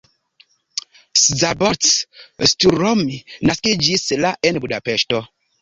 Szabolcs Szuromi naskiĝis la en Budapeŝto.